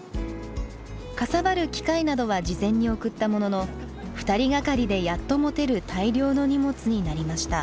かさばる機械などは事前に送ったものの２人がかりでやっと持てる大量の荷物になりました。